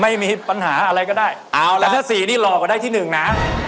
ไม่มีปัญหาอะไรก็ได้แต่ถ้า๔นี่หลอกกว่าได้ที่๑นะ